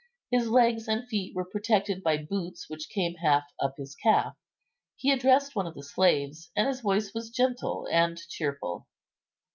His legs and feet were protected by boots which came half up his calf. He addressed one of the slaves, and his voice was gentle and cheerful.